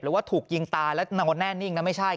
หรือว่าถูกยิงตายและแน่นเน่นยันต์ไม่ใช่